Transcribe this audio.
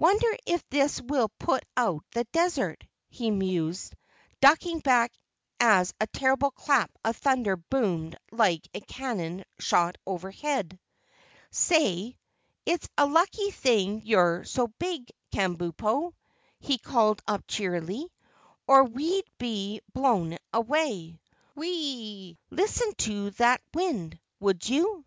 "Wonder if this will put out the desert?" he mused, ducking back as a terrible clap of thunder boomed like a cannon shot overhead. "SAY, it's a lucky thing you're so big, Kabumpo," he called up cheerily, "or we'd be blown away. Whee listen to that wind, would you!"